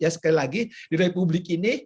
sekali lagi di republik ini